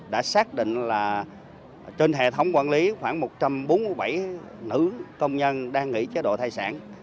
đã xác định là trên hệ thống quản lý khoảng một trăm bốn mươi bảy nữ công nhân đang nghỉ chế độ thai sản